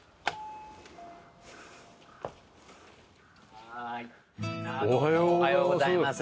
はーい。おはようございます。